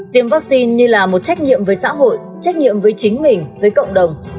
tiêm vaccine như là một trách nhiệm với xã hội trách nhiệm với chính mình với cộng đồng